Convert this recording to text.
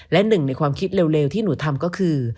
และหนึ่งในความคิดเร็วที่หนูทำก็คือ